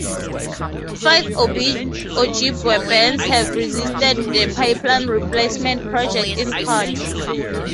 Five Ojibwe bands have resisted the pipeline replacement project in court.